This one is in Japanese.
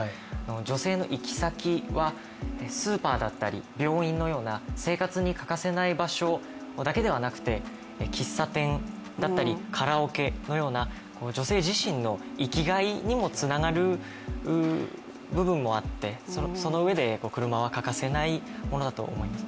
女性の行き先はスーパーだったり病院のような生活に欠かせない場所だけではなくて、喫茶店だったりカラオケのような女性自身の生きがいにもつながる部分もあって、そのうえで車は欠かせないものだと思います。